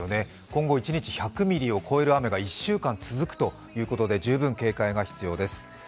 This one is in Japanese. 今後一日１００ミリを超える雨が１週間続くということで十分警戒が必要です。